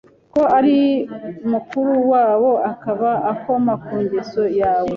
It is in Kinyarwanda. ko ari mukuru wabo akaba akoma ku ngeso yawe